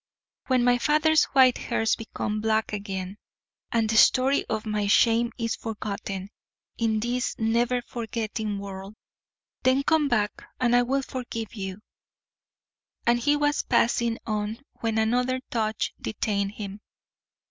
"When my father's white hairs become black again, and the story of my shame is forgotten in this never forgetting world, then come back and I will forgive you." And he was passing on when another touch detained him.